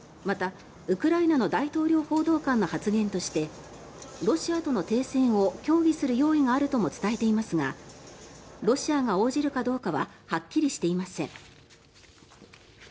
また、ウクライナの大統領報道官の発言としてロシアとの停戦を協議する用意があるとも伝えていますがロシアが応じるかどうかははっきりしていません。